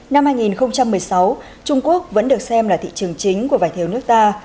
năm hai nghìn một mươi sáu trung quốc vẫn được xem là thị trường chính của vải thiều nước ta